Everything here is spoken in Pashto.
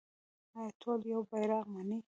آیا ټول یو بیرغ مني؟